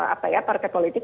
apa ya partai politik